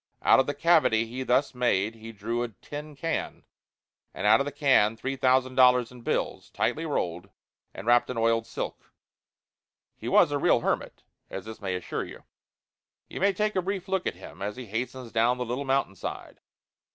Out of the cavity he thus made he drew a tin can, and out of the can three thousand dollars in bills, tightly rolled and wrapped in oiled silk. He was a real hermit, as this may assure you. You may take a brief look at him as he hastens down the little mountain side.